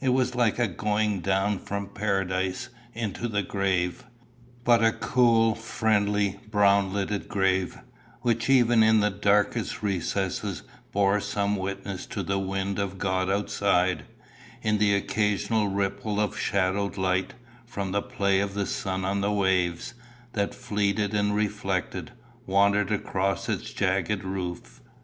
It was like a going down from Paradise into the grave but a cool, friendly, brown lighted grave, which even in its darkest recesses bore some witness to the wind of God outside, in the occasional ripple of shadowed light, from the play of the sun on the waves, that, fleeted and reflected, wandered across its jagged roof.